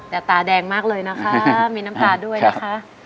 แต่ตาแดงมากเลยนะคะมีน้ำตาด้วยนะคะ